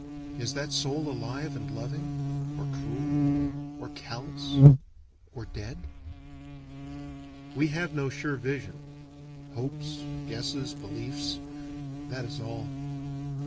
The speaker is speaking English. Is that soul alive and loving? or cruel? or callous? or dead? We have no sure vision. Hopes, guesses, beliefs that is all.